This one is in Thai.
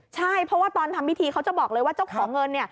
ใช่เพราะว่าตอนทำพิธีเขาจะบอกเลยว่าเจ้าของเงิน